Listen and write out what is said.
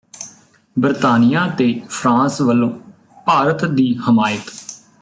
ਬਰਤਾਨੀਆ ਤੇ ਫਰਾਂਸ ਵਲੋਂ ਭਾਰਤ ਦੀ ਹਮਾਇਤ